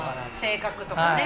性格とかね。